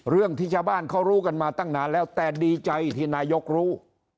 เรื่องที่ชาวบ้านเขารู้กันมาตั้งนานแล้วแต่ดีใจที่นายกรู้